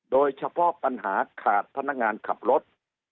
โดยเฉพาะปัญหาขาดพนักงานขับรถ